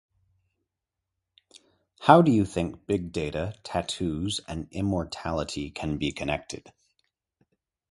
How do you think big data, tattoos and immortality can be connected?